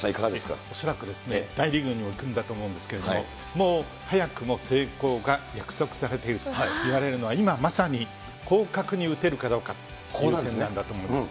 恐らく大リーグにいくんだと思うんですけど、もう早くも成功が約束されているといわれるのは、今まさに広角に打てるかどうか、ここなんだと思います。